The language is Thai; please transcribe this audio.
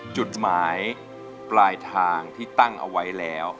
จุดหมายปลายทางที่ตั้งเอาไว้แล้ว